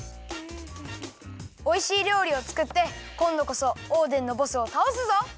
おいしいりょうりをつくってこんどこそオーデンのボスをたおすぞ！